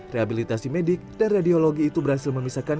rehabilitasi medik dan radiologi itu berhasil memisahkan